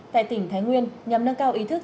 tại tỉnh thái nguyên nhằm nâng cao ý thức